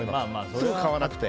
すぐ買わなくて。